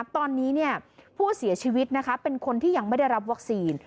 ตอนนี้ผู้เสียชีวิตเป็นคนที่ยังไม่ได้รับวัคซีน